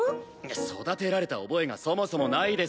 育てられた覚えがそもそもないです。